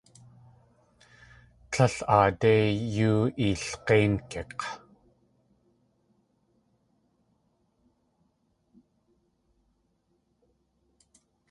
Líl aadé yoo eelg̲éingik̲!